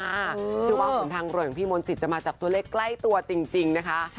ชื่อว่าผลทางรวยของพี่มนตรีจะมาจากตัวเลขใกล้ตัวจริงนะคะ